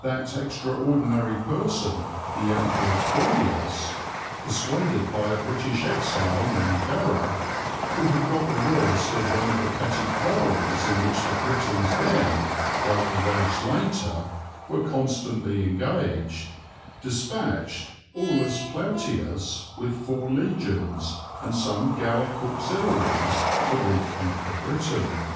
That extraordinary person the Emperor Claudius, persuaded by a British exile named Berre, who had got the worst of one of the petty quarrels in which the Britons then, like the Welsh later, were constantly engaged, dispatched Aulus Plautius with four legions and some Gallic auxiliaries to reconquer Britain.